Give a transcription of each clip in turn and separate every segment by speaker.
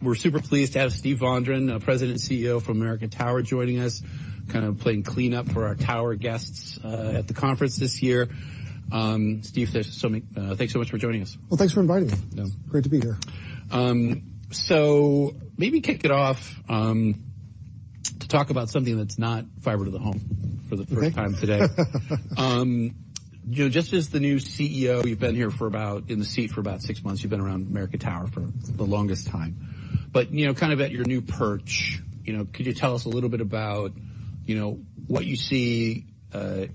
Speaker 1: ...We're super pleased to have Steve Vondran, President and CEO of American Tower, joining us, kind of playing cleanup for our tower guests at the conference this year. Steve, there's so many-- thanks so much for joining us.
Speaker 2: Thanks for inviting me. Great to be here.
Speaker 1: So maybe kick it off to talk about something that's not fiber to the home for the first time today. You know, just as the new CEO, you've been here for about, in the seat for about six months. You've been around American Tower for the longest time. But, you know, kind of at your new perch, you know, could you tell us a little bit about, you know, what you see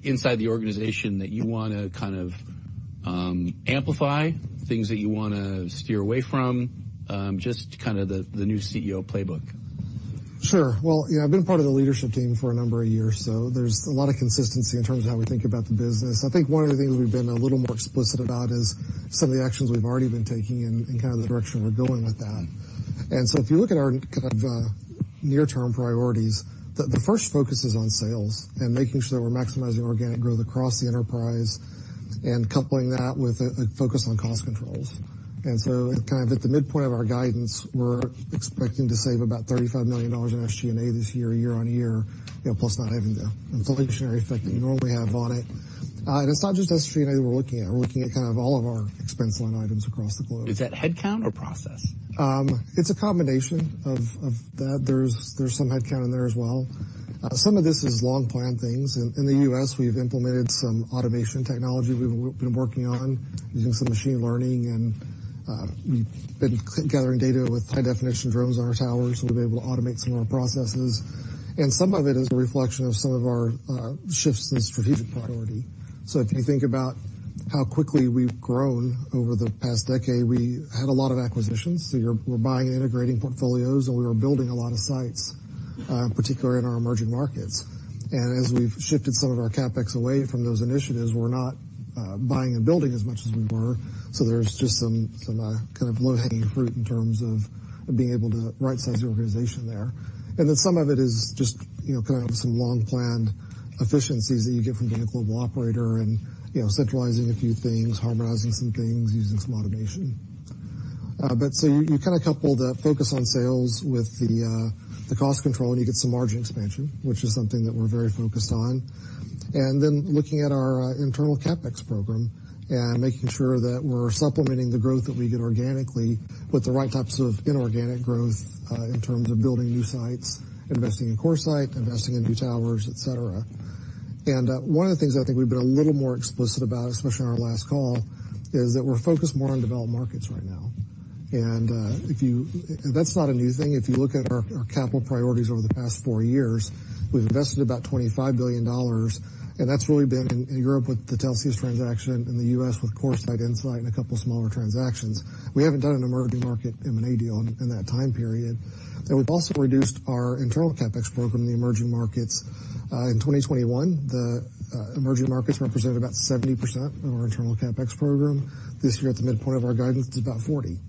Speaker 1: inside the organization that you wanna kind of amplify, things that you wanna steer away from? Just kind of the, the new CEO playbook.
Speaker 2: Sure. Well, yeah, I've been part of the leadership team for a number of years, so there's a lot of consistency in terms of how we think about the business. I think one of the things we've been a little more explicit about is some of the actions we've already been taking and kind of the direction we're going with that. And so if you look at our kind of near-term priorities, the first focus is on sales and making sure that we're maximizing organic growth across the enterprise and coupling that with a focus on cost controls. And so kind of at the midpoint of our guidance, we're expecting to save about $35 million in SG&A this year, year-on-year, you know, plus not having the inflationary effect that you normally have on it. And it's not just SG&A that we're looking at. We're looking at kind of all of our expense line items across the globe.
Speaker 1: Is that headcount or process?
Speaker 2: It's a combination of that. There's some headcount in there as well. Some of this is long-planned things. In the U.S., we've implemented some automation technology we've been working on, using some machine learning, and we've been gathering data with high-definition drones on our towers, so we'll be able to automate some of our processes, and some of it is a reflection of some of our shifts in strategic priority. So if you think about how quickly we've grown over the past decade, we had a lot of acquisitions. So we're buying and integrating portfolios, and we were building a lot of sites, particularly in our emerging markets. And as we've shifted some of our CapEx away from those initiatives, we're not buying and building as much as we were, so there's just some kind of low-hanging fruit in terms of being able to right-size the organization there. And then some of it is just, you know, kind of some long-planned efficiencies that you get from being a global operator and, you know, centralizing a few things, harmonizing some things, using some automation. But so you kind of couple the focus on sales with the cost control, and you get some margin expansion, which is something that we're very focused on. And then looking at our internal CapEx program and making sure that we're supplementing the growth that we get organically with the right types of inorganic growth in terms of building new sites, investing in CoreSite, investing in new towers, et cetera. One of the things I think we've been a little more explicit about, especially on our last call, is that we're focused more on developed markets right now. If you... That's not a new thing. If you look at our capital priorities over the past four years, we've invested about $25 billion, and that's really been in Europe with the Telxius transaction, in the U.S. with CoreSite, InSite and a couple smaller transactions. We haven't done an emerging market M&A deal in that time period. And we've also reduced our internal CapEx program in the emerging markets. In 2021, the emerging markets represented about 70% of our internal CapEx program. This year, at the midpoint of our guidance, it's about 40%.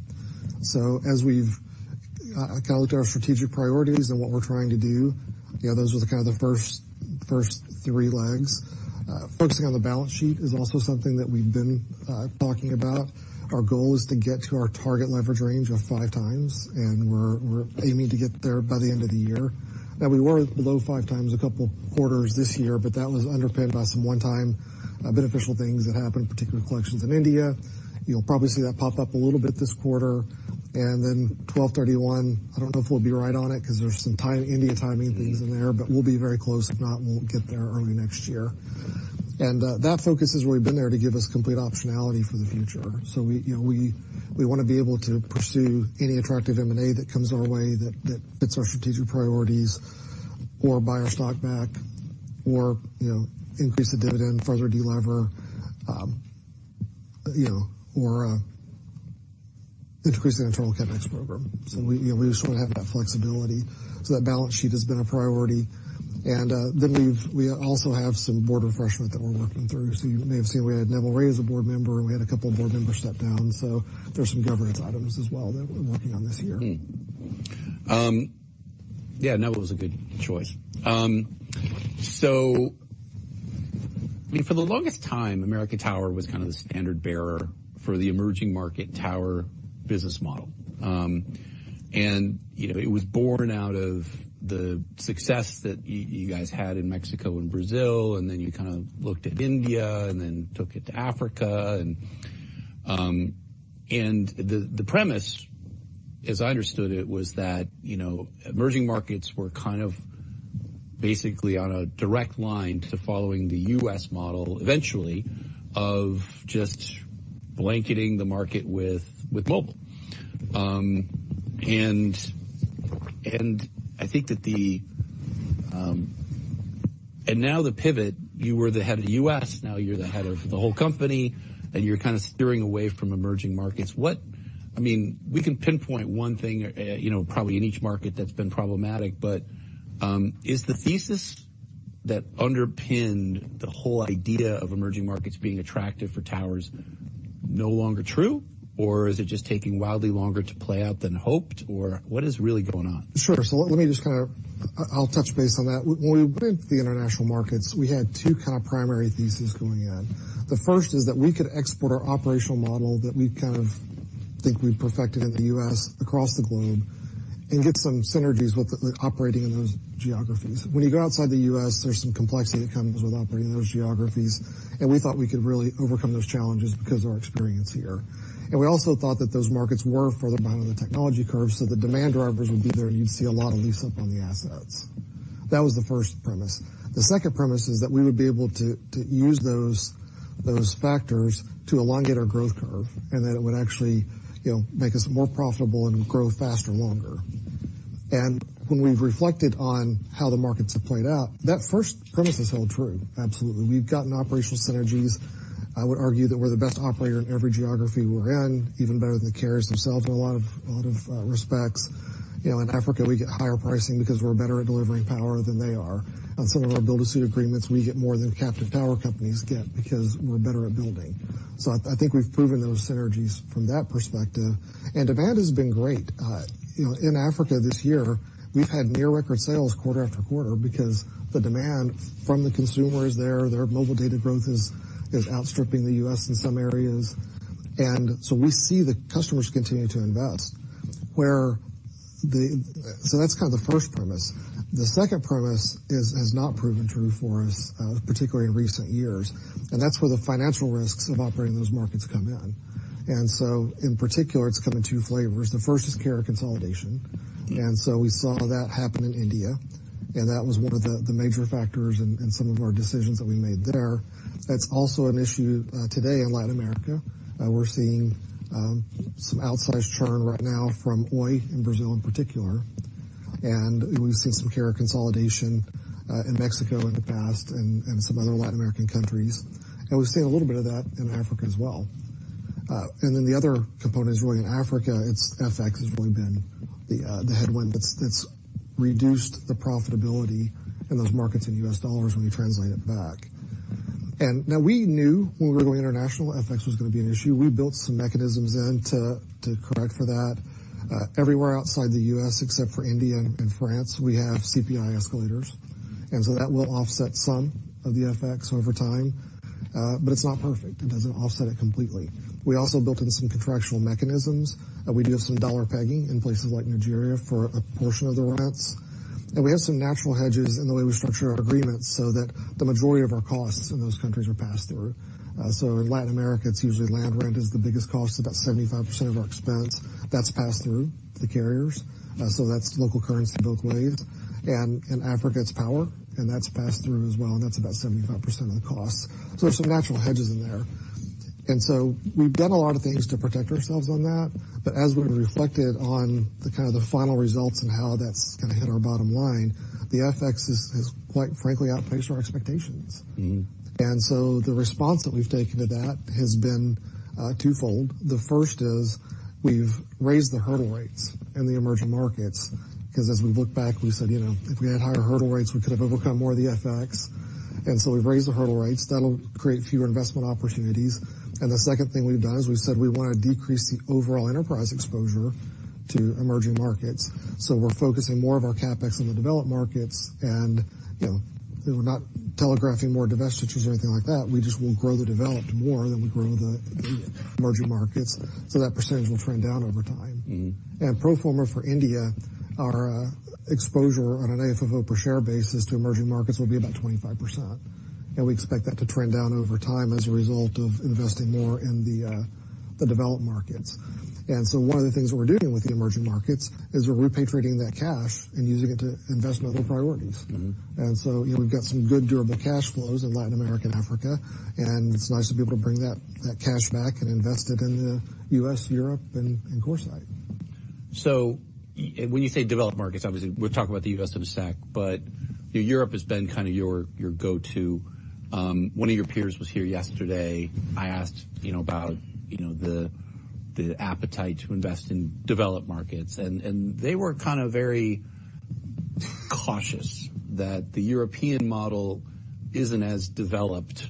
Speaker 2: So as we've kind of looked at our strategic priorities and what we're trying to do, you know, those were kind of the first three legs. Focusing on the balance sheet is also something that we've been talking about. Our goal is to get to our target leverage range of five times, and we're aiming to get there by the end of the year. Now, we were below five times a couple quarters this year, but that was underpinned by some one-time beneficial things that happened, particularly collections in India. You'll probably see that pop up a little bit this quarter. Then 12/31, I don't know if we'll be right on it, 'cause there's some time-India timing things in there, but we'll be very close. If not, we'll get there early next year. That focus has really been there to give us complete optionality for the future. We, you know, wanna be able to pursue any attractive M&A that comes our way, that fits our strategic priorities, or buy our stock back, or, you know, increase the dividend, further delever, or increase the internal CapEx program. We, you know, just wanna have that flexibility. That balance sheet has been a priority. Then we've also have some board refreshment that we're working through. So, you may have seen we had Neville Ray as a board member, and we had a couple of board members step down, so there's some governance items as well that we're working on this year.
Speaker 1: Yeah, Neville was a good choice. So I mean, for the longest time, American Tower was kind of the standard-bearer for the emerging market tower business model. And, you know, it was born out of the success that you guys had in Mexico and Brazil, and then you kind of looked at India and then took it to Africa. And the premise, as I understood it, was that, you know, emerging markets were kind of basically on a direct line to following the U.S. model, eventually, of just blanketing the market with mobile. And I think that the... And now the pivot, you were the head of the U.S., now you're the head of the whole company, and you're kind of steering away from emerging markets. What? I mean, we can pinpoint one thing, you know, probably in each market that's been problematic, but is the thesis that underpinned the whole idea of emerging markets being attractive for towers no longer true, or is it just taking wildly longer to play out than hoped, or what is really going on?
Speaker 2: Sure. So let me just kind of... I'll touch base on that. When we went to the international markets, we had two kind of primary theses going in. The first is that we could export our operational model that we kind of think we've perfected in the U.S. across the globe... and get some synergies with the operating in those geographies. When you go outside the U.S., there's some complexity that comes with operating in those geographies, and we thought we could really overcome those challenges because of our experience here. And we also thought that those markets were further behind on the technology curve, so the demand drivers would be there, and you'd see a lot of lease up on the assets. That was the first premise. The second premise is that we would be able to use those factors to elongate our growth curve, and that it would actually, you know, make us more profitable and grow faster, longer, and when we've reflected on how the markets have played out, that first premise has held true, absolutely. We've gotten operational synergies. I would argue that we're the best operator in every geography we're in, even better than the carriers themselves, in a lot of respects. You know, in Africa, we get higher pricing because we're better at delivering power than they are. On some of our build-to-suit agreements, we get more than captive power companies get because we're better at building. So I think we've proven those synergies from that perspective, and demand has been great. You know, in Africa this year, we've had near record sales quarter after quarter because the demand from the consumer is there. Their mobile data growth is outstripping the U.S. in some areas. And so we see the customers continue to invest. So that's kind of the first premise. The second premise is, has not proven true for us, particularly in recent years, and that's where the financial risks of operating those markets come in. And so in particular, it's come in two flavors. The first is carrier consolidation, and so we saw that happen in India, and that was one of the major factors in some of our decisions that we made there. That's also an issue today in Latin America. We're seeing some outsized churn right now from Oi in Brazil in particular, and we've seen some carrier consolidation in Mexico in the past and some other Latin American countries, and we've seen a little bit of that in Africa as well. Then the other component is really in Africa. It's FX has really been the headwind that's reduced the profitability in those markets in U.S. dollars when you translate it back. Now, we knew when we were going international, FX was gonna be an issue. We built some mechanisms in to correct for that. Everywhere outside the U.S., except for India and France, we have CPI escalators, and so that will offset some of the FX over time, but it's not perfect. It doesn't offset it completely. We also built in some contractual mechanisms, and we do have some dollar pegging in places like Nigeria for a portion of the rents, and we have some natural hedges in the way we structure our agreements so that the majority of our costs in those countries are passed through, so in Latin America, it's usually land rent is the biggest cost, about 75% of our expense. That's passed through the carriers, so that's local currency both ways, and in Africa, it's power, and that's passed through as well, and that's about 75% of the cost. So there's some natural hedges in there, and so we've done a lot of things to protect ourselves on that, but as we reflected on the kind of final results and how that's gonna hit our bottom line, the FX has quite frankly outpaced our expectations.
Speaker 1: Mm-hmm.
Speaker 2: And so the response that we've taken to that has been twofold. The first is, we've raised the hurdle rates in the emerging markets, because as we looked back, we said, "You know, if we had higher hurdle rates, we could have overcome more of the FX." And so we've raised the hurdle rates. That'll create fewer investment opportunities. And the second thing we've done is we've said we want to decrease the overall enterprise exposure to emerging markets. So we're focusing more of our CapEx on the developed markets, and, you know, we're not telegraphing more divestitures or anything like that. We just will grow the developed more than we grow the emerging markets, so that percentage will trend down over time.
Speaker 1: Mm-hmm.
Speaker 2: Pro forma for India, our exposure on an AFFO per share basis to emerging markets will be about 25%, and we expect that to trend down over time as a result of investing more in the developed markets. So one of the things we're doing with the emerging markets is we're repatriating that cash and using it to invest in other priorities.
Speaker 1: Mm-hmm.
Speaker 2: And so, you know, we've got some good, durable cash flows in Latin America and Africa, and it's nice to be able to bring that cash back and invest it in the U.S., Europe, and CoreSite.
Speaker 1: So when you say developed markets, obviously, we're talking about the U.S. of A stack, but, you know, Europe has been kind of your go-to. One of your peers was here yesterday. I asked, you know, about, you know, the appetite to invest in developed markets, and they were kind of very cautious that the European model isn't as developed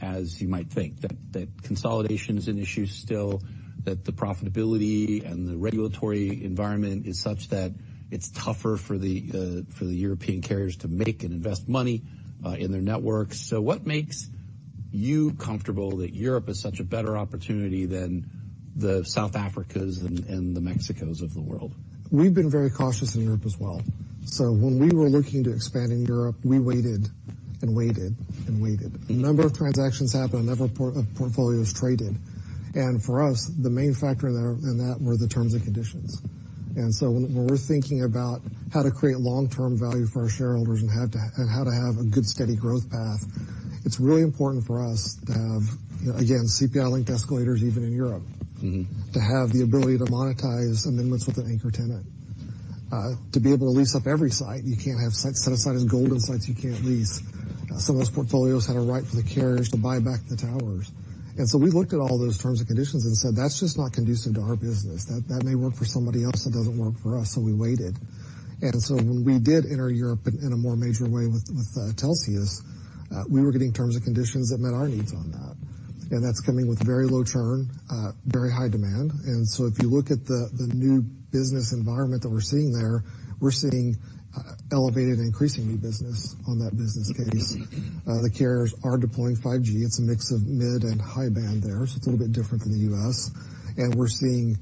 Speaker 1: as you might think, that consolidation is an issue still, that the profitability and the regulatory environment is such that it's tougher for the European carriers to make and invest money in their networks. So what makes you comfortable that Europe is such a better opportunity than the South Africas and the Mexicos of the world?
Speaker 2: We've been very cautious in Europe as well. So when we were looking to expand in Europe, we waited and waited and waited. A number of transactions happened, a number of portfolios traded, and for us, the main factor in that were the terms and conditions. And so when we're thinking about how to create long-term value for our shareholders and how to have a good, steady growth path, it's really important for us to have, again, CPI-linked escalators, even in Europe.
Speaker 1: Mm-hmm...
Speaker 2: to have the ability to monetize amendments with an anchor tenant, to be able to lease up every site. You can't have set aside as golden sites you can't lease. Some of those portfolios had a right for the carriers to buy back the towers. And so we looked at all those terms and conditions and said, "That's just not conducive to our business. That may work for somebody else, it doesn't work for us," so we waited. And so when we did enter Europe in a more major way with Telxius, we were getting terms and conditions that met our needs on that. And that's coming with very low churn, very high demand. And so if you look at the new business environment that we're seeing there, we're seeing elevated and increasing new business on that business case. The carriers are deploying 5G. It's a mix of mid and high band there, so it's a little bit different than the U.S. And we're seeing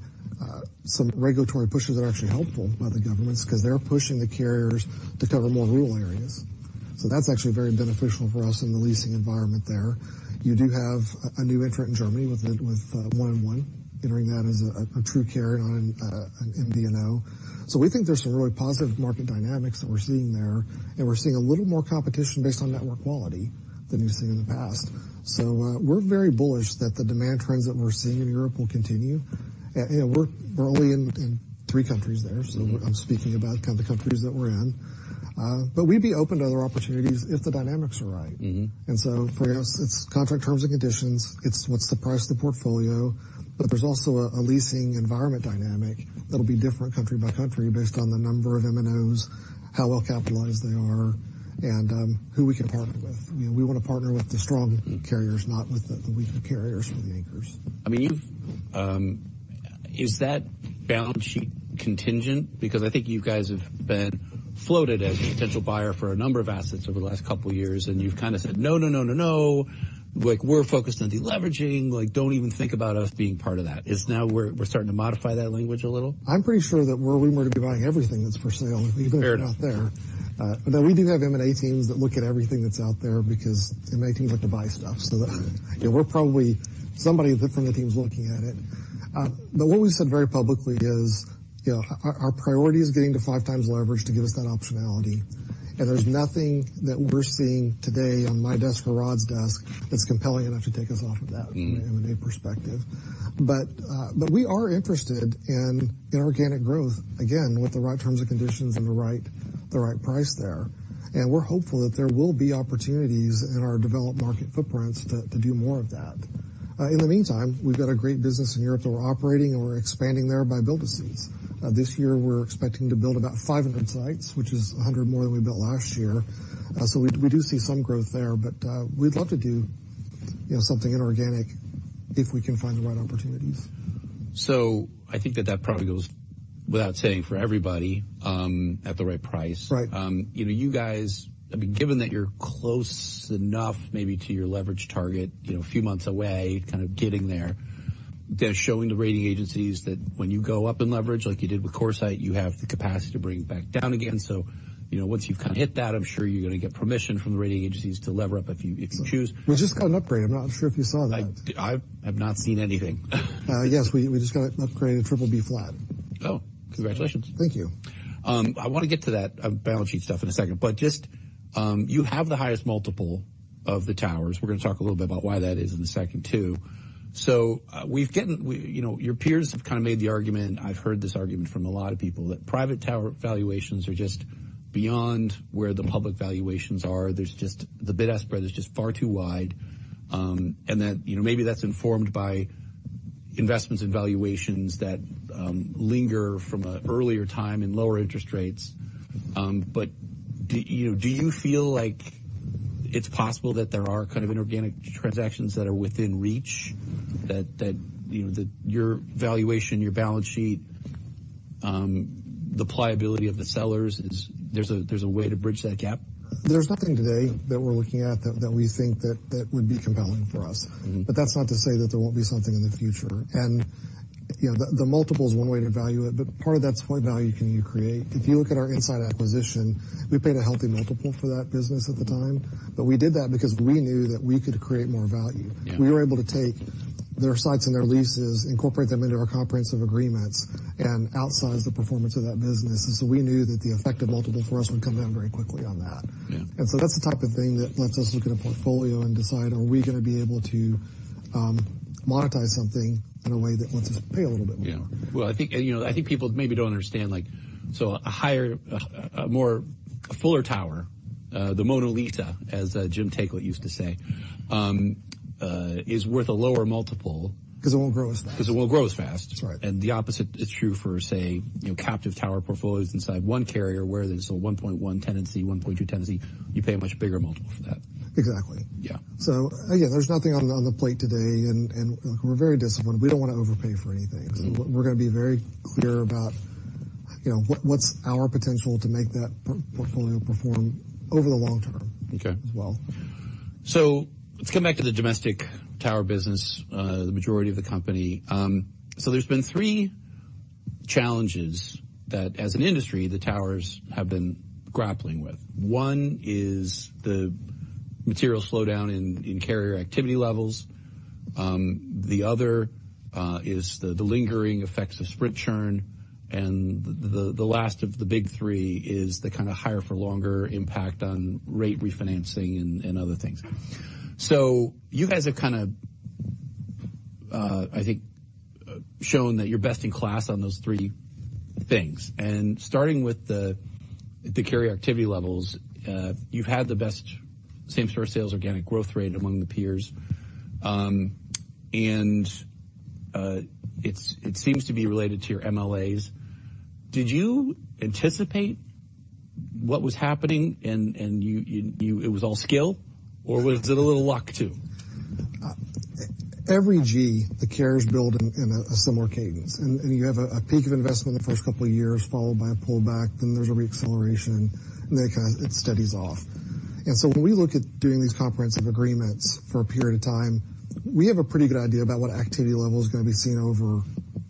Speaker 2: some regulatory pushes that are actually helpful by the governments, because they're pushing the carriers to cover more rural areas. So that's actually very beneficial for us in the leasing environment there. You do have a new entrant in Germany with 1&1, entering that as a true carrier on an MNO. So we think there's some really positive market dynamics that we're seeing there, and we're seeing a little more competition based on network quality than we've seen in the past. So we're very bullish that the demand trends that we're seeing in Europe will continue. And we're only in three countries there.
Speaker 1: Mm-hmm.
Speaker 2: So I'm speaking about kind of the countries that we're in. But we'd be open to other opportunities if the dynamics are right.
Speaker 1: Mm-hmm.
Speaker 2: And so for us, it's contract terms and conditions. It's what's the price of the portfolio. But there's also a leasing environment dynamic that'll be different country by country, based on the number of MNOs, how well-capitalized they are, and who we can partner with. You know, we wanna partner with the strong-
Speaker 1: Mm.
Speaker 2: -carriers, not with the weaker carriers or the anchors.
Speaker 1: I mean, Is that balance sheet contingent? Because I think you guys have been floated as a potential buyer for a number of assets over the last couple of years, and you've kind of said, "No, no, no, no, no. Like, we're focused on deleveraging. Like, don't even think about us being part of that." Is now we're starting to modify that language a little?
Speaker 2: I'm pretty sure that we're rumored to be buying everything that's for sale-
Speaker 1: Fair.
Speaker 2: out there, but we do have M&A teams that look at everything that's out there because M&A teams like to buy stuff, so you know, we're probably somebody from the team is looking at it, but what we said very publicly is, you know, our priority is getting to five times leverage to give us that optionality, and there's nothing that we're seeing today on my desk or Rod's desk that's compelling enough to take us off of that.
Speaker 1: Mm.
Speaker 2: From an M&A perspective. But we are interested in inorganic growth, again, with the right terms and conditions and the right, the right price there. And we're hopeful that there will be opportunities in our developed market footprints to do more of that. In the meantime, we've got a great business in Europe that we're operating, and we're expanding there by build-to-suits. This year, we're expecting to build about 500 sites, which is 100 more than we built last year. So we do see some growth there, but we'd love to do, you know, something inorganic if we can find the right opportunities.
Speaker 1: So I think that that probably goes without saying for everybody, at the right price.
Speaker 2: Right.
Speaker 1: You know, you guys, I mean, given that you're close enough, maybe to your leverage target, you know, a few months away, kind of getting there. They're showing the rating agencies that when you go up in leverage, like you did with CoreSite, you have the capacity to bring it back down again. So, you know, once you've kind of hit that, I'm sure you're gonna get permission from the rating agencies to lever up if you choose.
Speaker 2: We just got an upgrade. I'm not sure if you saw that.
Speaker 1: I have not seen anything.
Speaker 2: Yes, we just got an upgrade to BBB flat.
Speaker 1: Oh, congratulations.
Speaker 2: Thank you.
Speaker 1: I wanna get to that, balance sheet stuff in a second, but just, you have the highest multiple of the towers. We're gonna talk a little bit about why that is in a second, too. So, we've gotten. You know, your peers have kind of made the argument. I've heard this argument from a lot of people, that private tower valuations are just beyond where the public valuations are. There's just, the bid-ask spread is just far too wide, and that, you know, maybe that's informed by investments and valuations that linger from an earlier time in lower interest rates. But do you, do you feel like it's possible that there are kind of inorganic transactions that are within reach? That, that, you know, that your valuation, your balance sheet, the pliability of the sellers is... There's a way to bridge that gap?
Speaker 2: There's nothing today that we're looking at that we think would be compelling for us.
Speaker 1: Mm-hmm.
Speaker 2: But that's not to say that there won't be something in the future. And, you know, the multiple is one way to value it, but part of that's what value can you create? If you look at our InSite acquisition, we paid a healthy multiple for that business at the time, but we did that because we knew that we could create more value.
Speaker 1: Yeah.
Speaker 2: We were able to take their sites and their leases, incorporate them into our comprehensive agreements, and outsize the performance of that business, and so we knew that the effective multiple for us would come down very quickly on that.
Speaker 1: Yeah.
Speaker 2: And so that's the type of thing that lets us look at a portfolio and decide: Are we gonna be able to monetize something in a way that lets us pay a little bit more?
Speaker 1: Yeah. Well, I think, you know, I think people maybe don't understand, like, so a higher, a more, a fuller tower, the monolith, as Jim Taiclet used to say, is worth a lower multiple-
Speaker 2: Because it won't grow as fast.
Speaker 1: Because it won't grow as fast.
Speaker 2: That's right.
Speaker 1: The opposite is true for, say, you know, captive tower portfolios inside one carrier, where there's a 1.1 tenancy, 1.2 tenancy. You pay a much bigger multiple for that.
Speaker 2: Exactly.
Speaker 1: Yeah.
Speaker 2: So again, there's nothing on the plate today, and we're very disciplined. We don't wanna overpay for anything.
Speaker 1: Mm-hmm.
Speaker 2: So we're gonna be very clear about, you know, what's our potential to make that portfolio perform over the long term-
Speaker 1: Okay...
Speaker 2: as well.
Speaker 1: So let's come back to the domestic tower business, the majority of the company. So there's been three challenges that, as an industry, the towers have been grappling with. One is the material slowdown in carrier activity levels. The other is the lingering effects of Sprint churn, and the last of the big three is the kind of higher for longer impact on rate refinancing and other things. So you guys have kind of shown that you're best in class on those three things. And starting with the carrier activity levels, you've had the best same-store sales organic growth rate among the peers. And it seems to be related to your MLAs. Did you anticipate what was happening, and it was all skill, or was it a little luck, too?...
Speaker 2: Every G, the carriers build in a similar cadence, and you have a peak of investment in the first couple of years, followed by a pullback, then there's a re-acceleration, and then it kind of steadies off. And so when we look at doing these comprehensive agreements for a period of time, we have a pretty good idea about what activity level is gonna be seen over,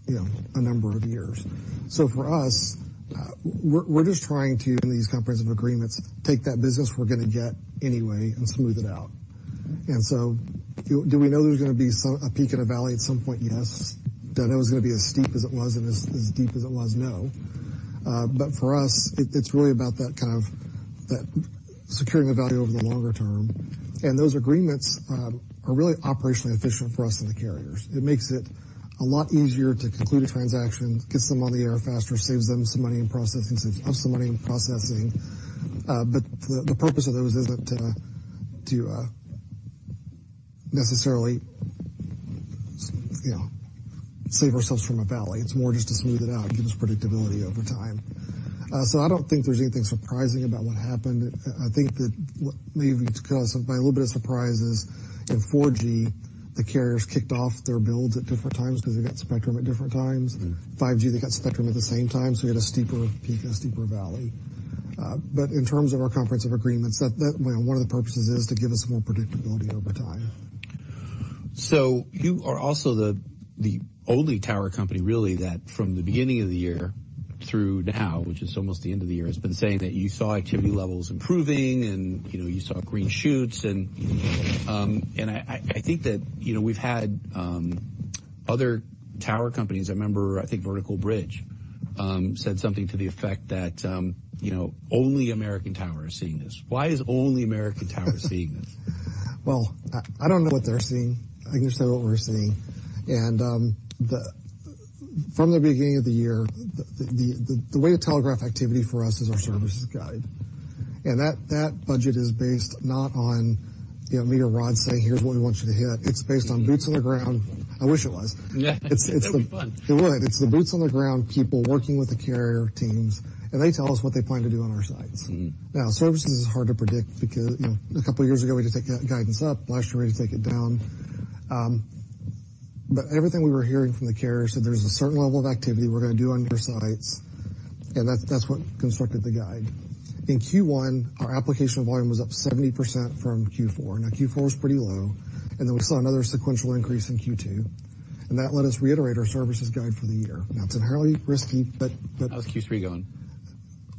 Speaker 2: you know, a number of years. So for us, we're just trying to, in these comprehensive agreements, take that business we're gonna get anyway and smooth it out. And so do we know there's gonna be a peak and a valley at some point? Yes. Do I know it's gonna be as steep as it was and as deep as it was? No. But for us, it's really about that kind of securing the value over the longer term. Those agreements are really operationally efficient for us and the carriers. It makes it a lot easier to conclude a transaction, gets them on the air faster, saves them some money in processing, saves us some money in processing. But the purpose of those isn't to necessarily, you know, save ourselves from a valley. It's more just to smooth it out and give us predictability over time. So I don't think there's anything surprising about what happened. I think that what maybe caused my little bit of surprise is in 4G, the carriers kicked off their builds at different times because they got spectrum at different times. 5G, they got spectrum at the same time, so we had a steeper peak and a steeper valley. But in terms of our comprehensive agreements, well, one of the purposes is to give us more predictability over time.
Speaker 1: So you are also the only tower company really that, from the beginning of the year through now, which is almost the end of the year, has been saying that you saw activity levels improving and, you know, you saw green shoots. And I think that, you know, we've had other tower companies. I remember, I think Vertical Bridge said something to the effect that, you know, only American Tower is seeing this. Why is only American Tower seeing this?
Speaker 2: I don't know what they're seeing. I can just tell you what we're seeing. From the beginning of the year, the way to telegraph activity for us is our services guide, and that budget is based not on, you know, me or Rod saying, "Here's what we want you to hit." It's based on boots on the ground. I wish it was.
Speaker 1: Yeah. It'd be fun.
Speaker 2: It would. It's the boots on the ground, people working with the carrier teams, and they tell us what they plan to do on our sites.
Speaker 1: Mm-hmm.
Speaker 2: Now, services is hard to predict because, you know, a couple of years ago, we had to take that guidance up. Last year, we had to take it down. But everything we were hearing from the carriers said, "There's a certain level of activity we're gonna do on your sites," and that, that's what constructed the guide. In Q1, our application volume was up 70% from Q4. Now, Q4 was pretty low, and then we saw another sequential increase in Q2, and that let us reiterate our services guide for the year. Now, it's inherently risky, but.
Speaker 1: How's Q3 going?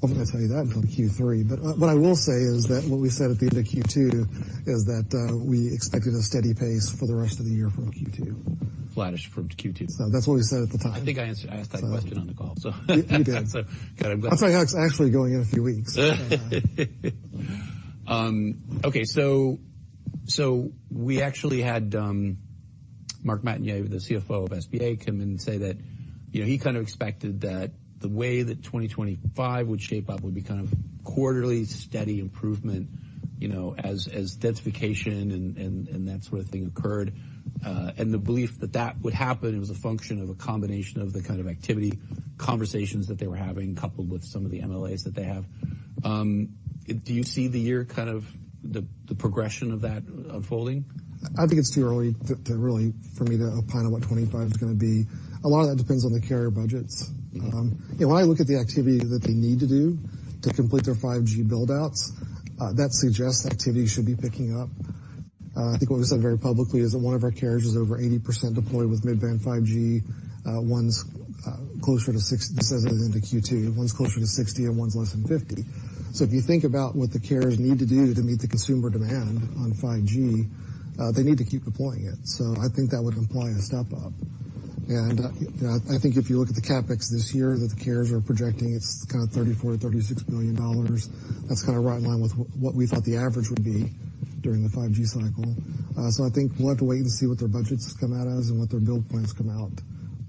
Speaker 2: I'm not gonna tell you that until Q3, but what I will say is that what we said at the end of Q2 is that we expected a steady pace for the rest of the year from Q2.
Speaker 1: Flattish from Q2.
Speaker 2: So that's what we said at the time.
Speaker 1: I think I asked that question on the call, so.
Speaker 2: You did.
Speaker 1: So, got it-
Speaker 2: I'll tell you how it's actually going in a few weeks.
Speaker 1: Okay, so we actually had Marc Montagner, the CFO of SBA, come in and say that, you know, he kind of expected that the way that 2025 would shape up would be kind of quarterly steady improvement, you know, as densification and that sort of thing occurred. And the belief that that would happen, it was a function of a combination of the kind of activity, conversations that they were having, coupled with some of the MLAs that they have. Do you see the year, kind of the progression of that unfolding?
Speaker 2: I think it's too early to really, for me, to opine on what 2025 is gonna be. A lot of that depends on the carrier budgets.
Speaker 1: Mm-hmm.
Speaker 2: And when I look at the activity that they need to do to complete their 5G build-outs, that suggests activity should be picking up. I think what we said very publicly is that one of our carriers is over 80% deployed with mid-band 5G. One's closer to 60 as of into Q2, and one's less than 50. So if you think about what the carriers need to do to meet the consumer demand on 5G, they need to keep deploying it. So I think that would imply a step-up. And, you know, I think if you look at the CapEx this year that the carriers are projecting, it's kind of $34 billion-$36 billion. That's kind of right in line with what we thought the average would be during the 5G cycle. So I think we'll have to wait and see what their budgets come out as and what their build plans come out.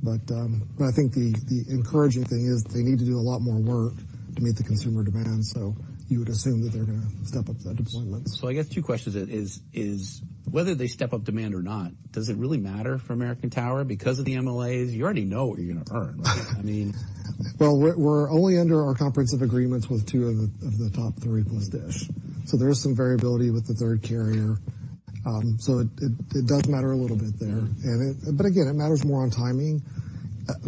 Speaker 2: But I think the encouraging thing is they need to do a lot more work to meet the consumer demand, so you would assume that they're gonna step up the deployments.
Speaker 1: I guess two questions is, is whether they step up demand or not, does it really matter for American Tower? Because of the MLAs, you already know what you're gonna earn, right? I mean...
Speaker 2: We're only under our comprehensive agreements with two of the top three, plus Dish. So there is some variability with the third carrier. So it does matter a little bit there.
Speaker 1: Mm-hmm.
Speaker 2: But again, it matters more on timing.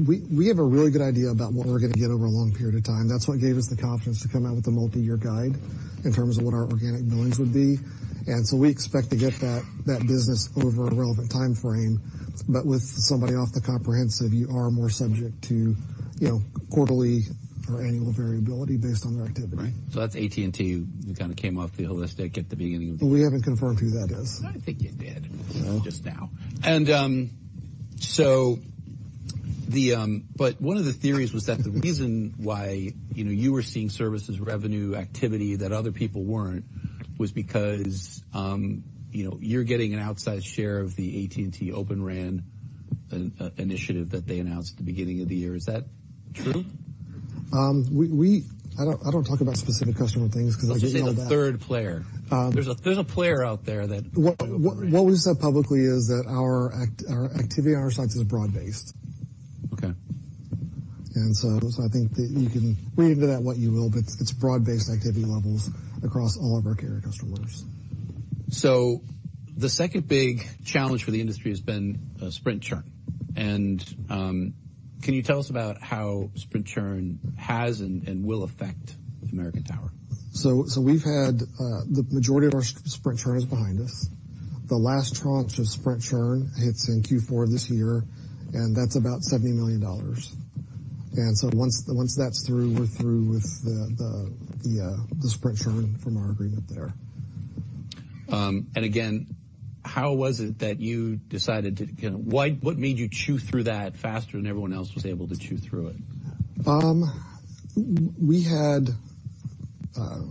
Speaker 2: We have a really good idea about what we're gonna get over a long period of time. That's what gave us the confidence to come out with a multiyear guide in terms of what our organic billings would be. And so we expect to get that business over a relevant time frame. But with somebody off the comprehensive, you are more subject to, you know, quarterly or annual variability based on their activity.
Speaker 1: Right. So that's AT&T who kind of came off the holistic at the beginning of the year.
Speaker 2: We haven't confirmed who that is.
Speaker 1: I think you did-
Speaker 2: No.
Speaker 1: Just now. But one of the theories was that the reason why, you know, you were seeing services revenue activity that other people weren't, was because, you know, you're getting an outsized share of the AT&T Open RAN initiative that they announced at the beginning of the year. Is that true?
Speaker 2: I don't talk about specific customer things, because I do know that-
Speaker 1: Let's just say the third player.
Speaker 2: Um-
Speaker 1: There's a player out there that-
Speaker 2: What we've said publicly is that our activity on our sites is broad-based.
Speaker 1: Okay.
Speaker 2: ...And so I think that you can read into that what you will, but it's broad-based activity levels across all of our carrier customers.
Speaker 1: So the second big challenge for the industry has been Sprint churn. And can you tell us about how Sprint churn has and will affect American Tower?
Speaker 2: We've had the majority of our Sprint churn is behind us. The last tranche of Sprint churn hits in Q4 this year, and that's about $70 million. Once that's through, we're through with the Sprint churn from our agreement there.
Speaker 1: And again, what made you chew through that faster than everyone else was able to chew through it?
Speaker 2: We had, I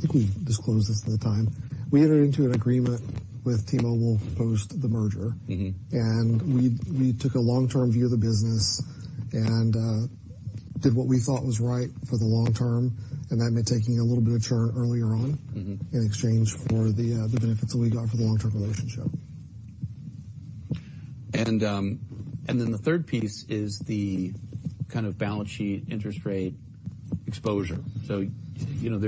Speaker 2: think we disclosed this at the time. We entered into an agreement with T-Mobile post the merger.
Speaker 1: Mm-hmm.
Speaker 2: And we took a long-term view of the business and did what we thought was right for the long term, and that meant taking a little bit of churn earlier on.
Speaker 1: Mm-hmm.
Speaker 2: in exchange for the benefits that we got for the long-term relationship.
Speaker 1: And then the third piece is the kind of balance sheet interest rate exposure. So, you know,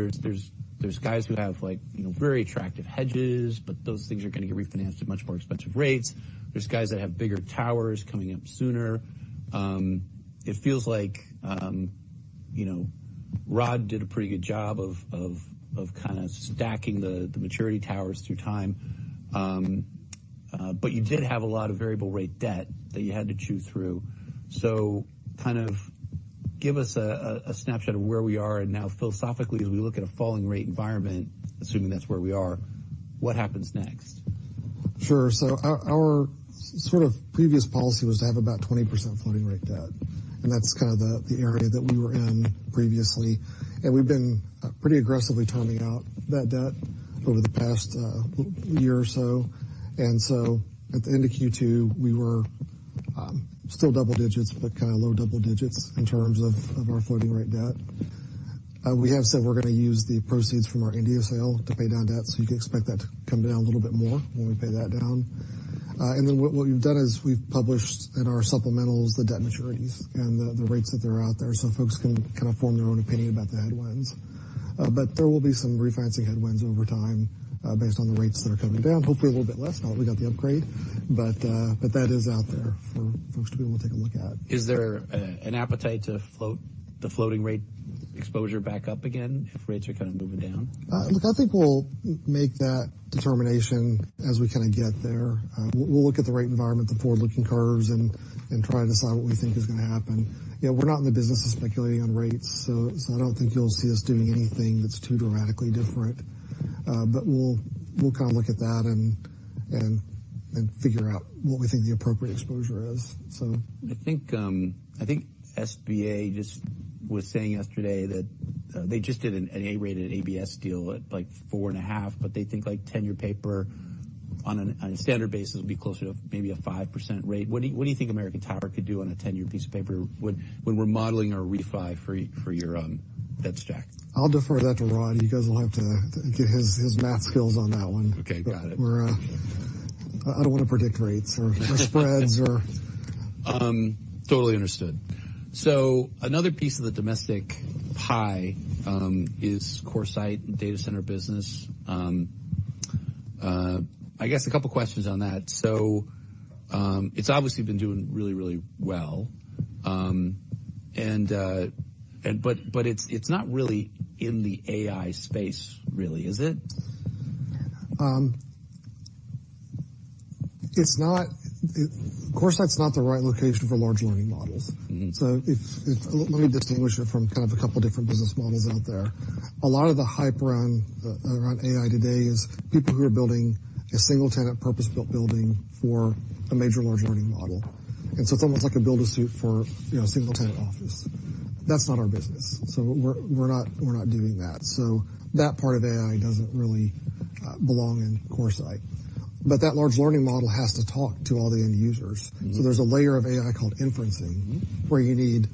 Speaker 1: there's guys who have like, you know, very attractive hedges, but those things are gonna get refinanced at much more expensive rates. There's guys that have bigger towers coming up sooner. It feels like, you know, Rod did a pretty good job of kind of stacking the maturity towers through time. But you did have a lot of variable rate debt that you had to chew through. So kind of give us a snapshot of where we are and now philosophically, as we look at a falling rate environment, assuming that's where we are, what happens next?
Speaker 2: Sure. So our sort of previous policy was to have about 20% floating rate debt, and that's kind of the area that we were in previously, and we've been pretty aggressively terming out that debt over the past year or so. And so at the end of Q2, we were still double digits, but kind of low double digits in terms of our floating rate debt. We have said we're gonna use the proceeds from our India sale to pay down debt, so you can expect that to come down a little bit more when we pay that down. And then what we've done is we've published in our supplementals, the debt maturities and the rates that are out there, so folks can kind of form their own opinion about the headwinds. But there will be some refinancing headwinds over time, based on the rates that are coming down. Hopefully, a little bit less now that we got the upgrade, but that is out there for folks to be able to take a look at.
Speaker 1: Is there an appetite to float the floating rate exposure back up again if rates are kind of moving down?
Speaker 2: Look, I think we'll make that determination as we kinda get there. We'll look at the rate environment, the forward-looking curves and try and decide what we think is gonna happen. You know, we're not in the business of speculating on rates, so I don't think you'll see us doing anything that's too dramatically different. But we'll kind of look at that and figure out what we think the appropriate exposure is, so.
Speaker 1: I think, I think SBA just was saying yesterday that, they just did an A-rated ABS deal at, like, 4.5 but they think, like, 10-year paper on a standard basis will be closer to maybe a 5% rate. What do you think American Tower could do on a 10-year piece of paper when we're modeling our refi for your debt stack?
Speaker 2: I'll defer that to Rod. You guys will have to get his math skills on that one.
Speaker 1: Okay, got it.
Speaker 2: I don't wanna predict rates or spreads or-
Speaker 1: Totally understood, so another piece of the domestic pie is CoreSite data center business. I guess a couple of questions on that, so it's obviously been doing really, really well. But it's not really in the AI space, really, is it?
Speaker 2: CoreSite's not the right location for large language models.
Speaker 1: Mm-hmm.
Speaker 2: Let me distinguish it from kind of a couple of different business models out there. A lot of the hype around AI today is people who are building a single-tenant, purpose-built building for large language model. and so it's almost like a build-to-suit for, you know, single-tenant office. That's not our business, so we're not doing that. That part of AI doesn't really belong in CoreSite. large language model has to talk to all the end users.
Speaker 1: Mm-hmm.
Speaker 2: So there's a layer of AI called inferencing-
Speaker 1: Mm-hmm.
Speaker 2: Where you need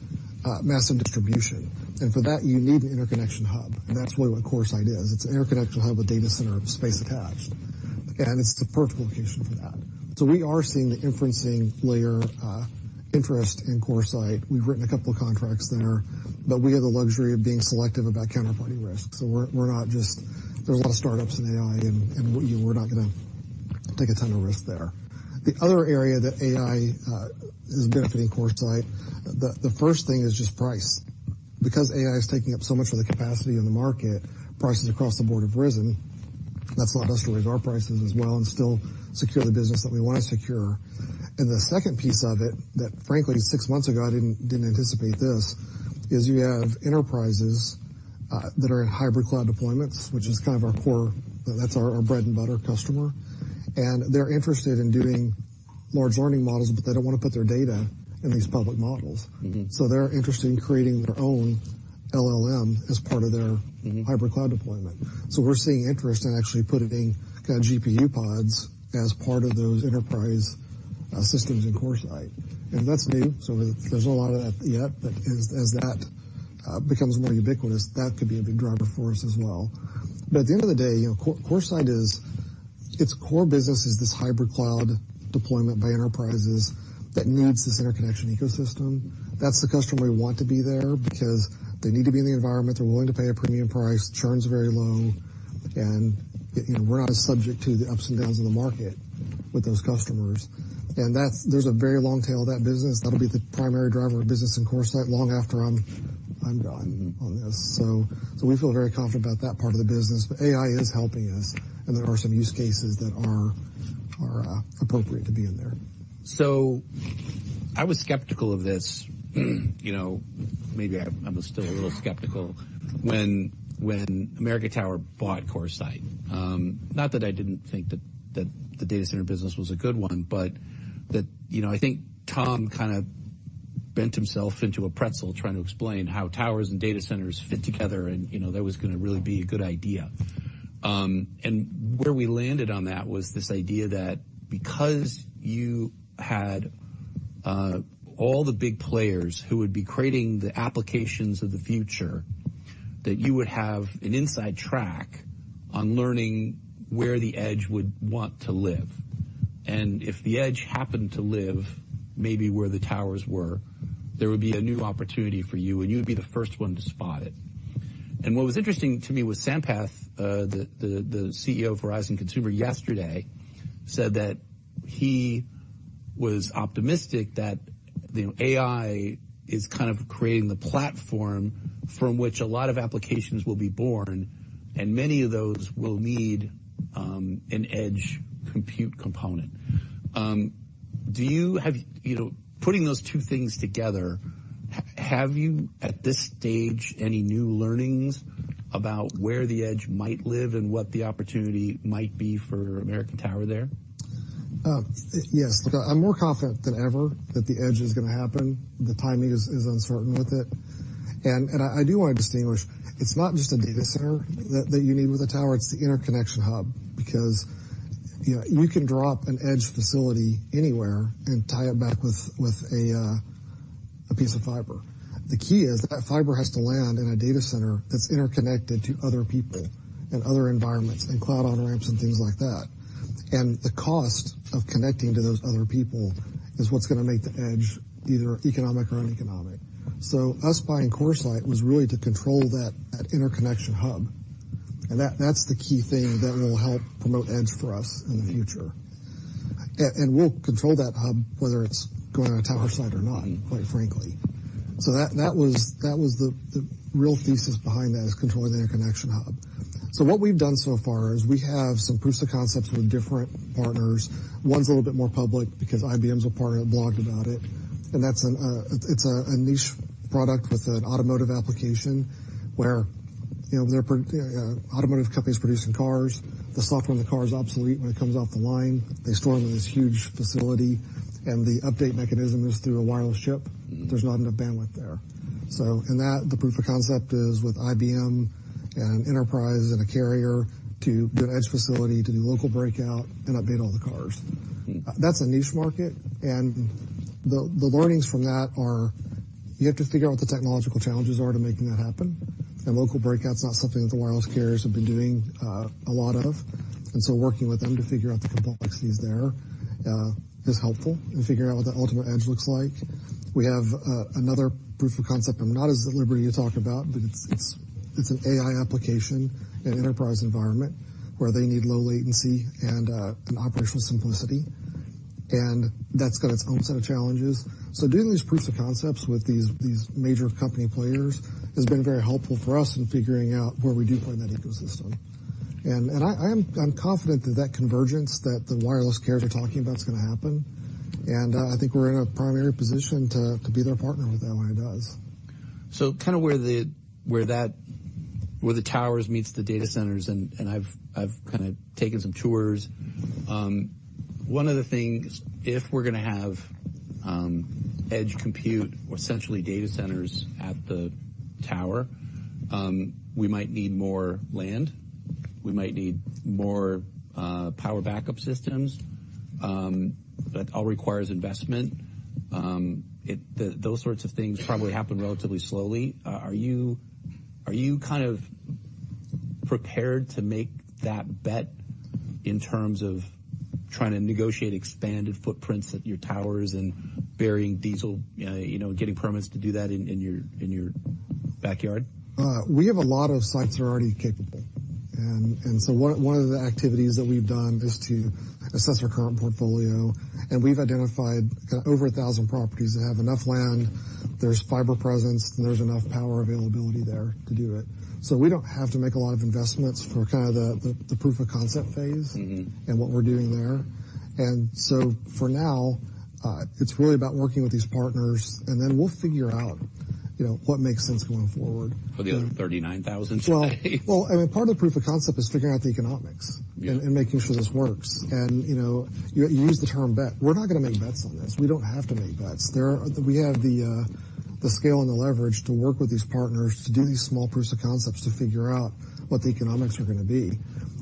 Speaker 2: massive distribution, and for that, you need an interconnection hub, and that's what a CoreSite is. It's an interconnection hub, a data center with space attached, and it's the perfect location for that. So we are seeing the inferencing layer interest in CoreSite. We've written a couple of contracts there, but we have the luxury of being selective about counterparty risk, so we're not just. There's a lot of startups in AI, and we're not gonna take a ton of risk there. The other area that AI is benefiting CoreSite, the first thing is just price. Because AI is taking up so much of the capacity in the market, prices across the board have risen. That's allowed us to raise our prices as well and still secure the business that we want to secure. The second piece of it that, frankly, six months ago, I didn't anticipate this, is you have enterprises that are in hybrid cloud deployments, which is kind of our core. That's our bread and butter customer, and they're interested large language models, but they don't want to put their data in these public models.
Speaker 1: Mm-hmm.
Speaker 2: So they're interested in creating their own LLM as part of their-
Speaker 1: Mm-hmm.
Speaker 2: -hybrid cloud deployment. So we're seeing interest in actually putting kind of GPU pods as part of those enterprise systems in CoreSite, and that's new. So there's a lot of that yet, but as that becomes more ubiquitous, that could be a big driver for us as well. But at the end of the day, you know, CoreSite is, its core business is this hybrid cloud deployment by enterprises that needs this interconnection ecosystem. That's the customer we want to be there because they need to be in the environment. They're willing to pay a premium price. Churn's very low, and, you know, we're not as subject to the ups and downs of the market with those customers. And that's. There's a very long tail of that business. That'll be the primary driver of business in CoreSite long after I'm gone on this. So, we feel very confident about that part of the business. But AI is helping us, and there are some use cases that are appropriate to be in there.
Speaker 1: So I was skeptical of this, you know, maybe I'm still a little skeptical, when American Tower bought CoreSite. Not that I didn't think that the data center business was a good one, but that, you know, I think Tom kind of bent himself into a pretzel trying to explain how towers and data centers fit together, and, you know, that was gonna really be a good idea. And where we landed on that was this idea that because you had all the big players who would be creating the applications of the future, that you would have an inside track on learning where the edge would want to live. And if the edge happened to live, maybe where the towers were, there would be a new opportunity for you, and you would be the first one to spot it. And what was interesting to me was Sampath, the CEO of Verizon Consumer, yesterday said that he was optimistic that, you know, AI is kind of creating the platform from which a lot of applications will be born, and many of those will need an edge compute component. Do you have... You know, putting those two things together, have you, at this stage, any new learnings about where the edge might live and what the opportunity might be for American Tower there?
Speaker 2: Yes. Look, I'm more confident than ever that the edge is gonna happen. The timing is uncertain with it. And I do want to distinguish, it's not just a data center that you need with a tower, it's the interconnection hub. Because, you know, you can drop an edge facility anywhere and tie it back with a piece of fiber. The key is that fiber has to land in a data center that's interconnected to other people and other environments and cloud on-ramps and things like that. And the cost of connecting to those other people is what's gonna make the edge either economic or uneconomic. So us buying CoreSite was really to control that interconnection hub, and that's the key thing that will help promote edge for us in the future. We'll control that hub, whether it's going on a tower site or not, quite frankly. That was the real thesis behind that: controlling the interconnection hub. What we've done so far is we have some proofs of concepts with different partners. One's a little bit more public because IBM's a part of it, blogged about it, and that's. It's a niche product with an automotive application where you know they're automotive companies producing cars. The software in the car is obsolete when it comes off the line. They store them in this huge facility, and the update mechanism is through a wireless chip. There's not enough bandwidth there. In that, the proof of concept is with IBM and enterprise and a carrier to do an edge facility, to do local breakout and update all the cars. That's a niche market, and the learnings from that are you have to figure out what the technological challenges are to making that happen. Local breakout's not something that the wireless carriers have been doing a lot of, and so working with them to figure out the complexities there is helpful in figuring out what the ultimate edge looks like. We have another proof of concept, but we're not at liberty to talk about it. It's an AI application in an enterprise environment where they need low latency and operational simplicity, and that's got its own set of challenges. So doing these proofs of concepts with these major company players has been very helpful for us in figuring out where we deploy in that ecosystem. I'm confident that that convergence that the wireless carriers are talking about is gonna happen, and I think we're in a primary position to be their partner with whoever it does.
Speaker 1: Kind of where the towers meets the data centers, and I've kind of taken some tours. One of the things, if we're gonna have edge compute or essentially data centers at the tower, we might need more land, we might need more power backup systems. Those sorts of things probably happen relatively slowly. Are you kind of prepared to make that bet in terms of trying to negotiate expanded footprints at your towers and burying diesel, you know, getting permits to do that in your backyard?
Speaker 2: We have a lot of sites that are already capable. And so one of the activities that we've done is to assess our current portfolio, and we've identified kind of over a thousand properties that have enough land, there's fiber presence, and there's enough power availability there to do it. So we don't have to make a lot of investments for kind of the proof of concept phase-
Speaker 1: Mm-hmm.
Speaker 2: and what we're doing there. And so for now, it's really about working with these partners, and then we'll figure out, you know, what makes sense going forward.
Speaker 1: For the other 39,000 sites?
Speaker 2: Well, well, and part of the proof of concept is figuring out the economics-
Speaker 1: Yeah.
Speaker 2: and making sure this works. And, you know, you used the term bet. We're not gonna make bets on this. We don't have to make bets. There are- We have the scale and the leverage to work with these partners to do these small proofs of concepts, to figure out what the economics are gonna be.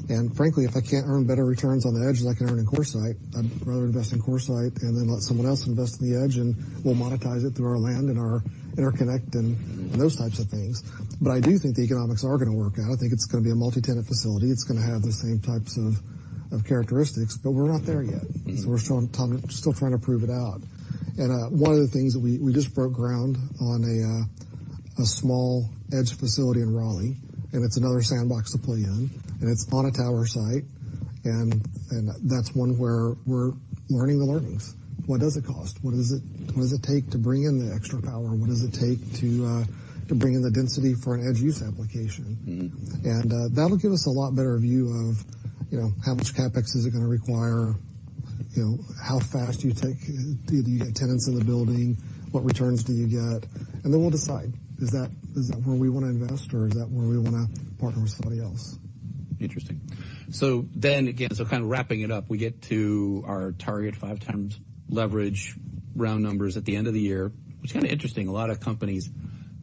Speaker 2: And frankly, if I can't earn better returns on the edge than I can earn in CoreSite, I'd rather invest in CoreSite and then let someone else invest in the edge, and we'll monetize it through our land and our interconnect and-
Speaker 1: Mm-hmm.
Speaker 2: Those types of things. But I do think the economics are gonna work out. I think it's gonna be a multi-tenant facility. It's gonna have the same types of characteristics, but we're not there yet.
Speaker 1: Mm-hmm.
Speaker 2: We're still trying, still trying to prove it out. One of the things that we... We just broke ground on a small edge facility in Raleigh, and it's another sandbox to play in, and it's on a tower site. That's one where we're learning the learnings. What does it cost? What does it take to bring in the extra power? What does it take to bring in the density for an edge use application?
Speaker 1: Mm-hmm.
Speaker 2: That'll give us a lot better view of, you know, how much CapEx is it gonna require, you know, how fast do you get tenants in the building? What returns do you get? And then we'll decide, is that, is that where we wanna invest, or is that where we wanna partner with somebody else?
Speaker 1: Interesting. So then again, so kind of wrapping it up, we get to our target five times leverage round numbers at the end of the year. It's kind of interesting, a lot of companies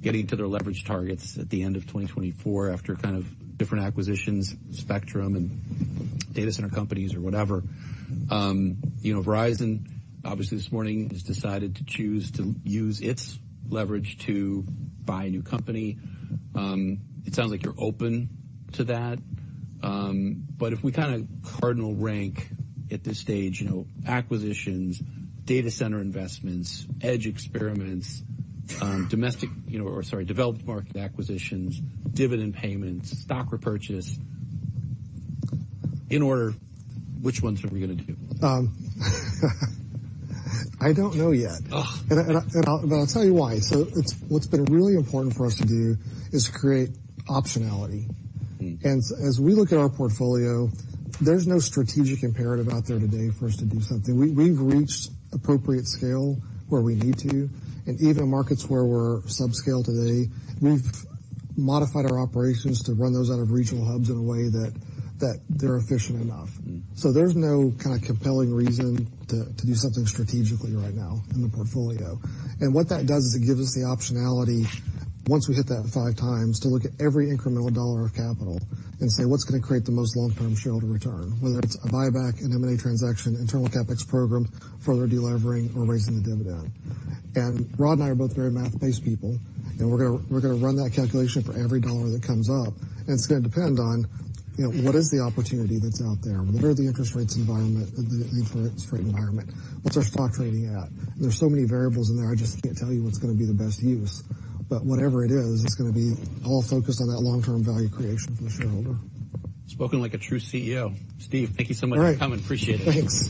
Speaker 1: getting to their leverage targets at the end of twenty twenty-four after kind of different acquisitions, spectrum, and data center companies or whatever. You know, Verizon, obviously, this morning has decided to choose to use its leverage to buy a new company. It sounds like you're open to that. But if we kinda cardinal rank at this stage, you know, acquisitions, data center investments, edge experiments, domestic, you know... Sorry, developed market acquisitions, dividend payments, stock repurchase. In order, which ones are we gonna do?
Speaker 2: I don't know yet.
Speaker 1: Ugh!
Speaker 2: I'll tell you why. So it's what's been really important for us to do is create optionality.
Speaker 1: Mm.
Speaker 2: As we look at our portfolio, there's no strategic imperative out there today for us to do something. We, we've reached appropriate scale where we need to, and even markets where we're subscale today, we've modified our operations to run those out of regional hubs in a way that they're efficient enough.
Speaker 1: Mm.
Speaker 2: So there's no kind of compelling reason to do something strategically right now in the portfolio. And what that does is it gives us the optionality, once we hit that five times, to look at every incremental dollar of capital and say, "What's gonna create the most long-term shareholder return?" Whether it's a buyback, an M&A transaction, internal CapEx program, further delevering or raising the dividend. And Rod and I are both very math-based people, and we're gonna run that calculation for every dollar that comes up, and it's gonna depend on, you know, what is the opportunity that's out there? What are the interest rate environment? What's our stock trading at? There's so many variables in there, I just can't tell you what's gonna be the best use. But whatever it is, it's gonna be all focused on that long-term value creation for the shareholder.
Speaker 1: Spoken like a true CEO. Steve, thank you so much for coming.
Speaker 2: All right.
Speaker 1: Appreciate it.
Speaker 2: Thanks.